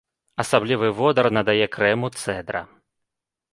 Асаблівы водар надае крэму цэдра.